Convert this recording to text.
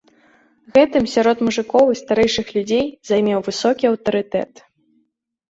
Гэтым сярод мужыкоў і старэйшых людзей займеў высокі аўтарытэт.